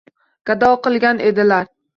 Gado qilgan edilar.